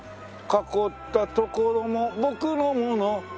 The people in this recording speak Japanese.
「かこったところもぼくのもの」